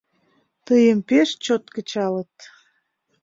— Тыйым пеш чот кычалыт.